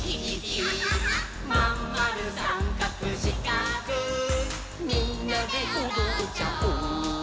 「まんまるさんかくしかくみんなでおどっちゃおう」